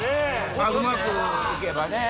うまくいけばね。